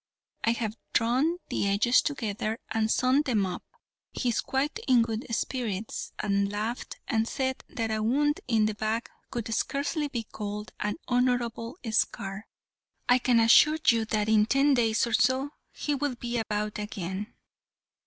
I have drawn the edges together and sewn them up; he is quite in good spirits, and laughed and said that a wound in the back could scarcely be called an honourable scar. I can assure you that in ten days or so he will be about again."